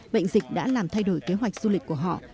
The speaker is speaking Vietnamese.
bệnh dịch đã làm thay đổi kế hoạch du lịch của họ